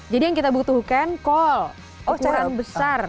jadi yang kita butuhkan kol ukuran besar